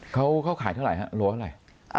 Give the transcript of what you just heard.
เขาขายเท่าไหร่ล้วนอะไร